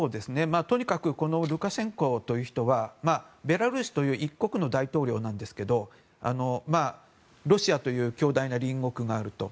とにかくこのルカシェンコという人はベラルーシという一国の大統領なんですけどロシアという強大な隣国があると。